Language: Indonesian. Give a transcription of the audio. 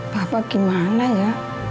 bapak gimana ya